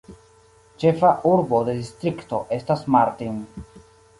Ĉefa urbo de distrikto estas Martin.